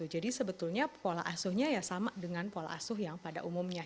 jadi sebetulnya pola asuhnya ya sama dengan pola asuh yang pada umumnya